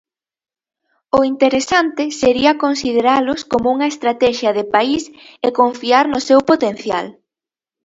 O interesante sería consideralos como unha estratexia de país e confiar no seu potencial.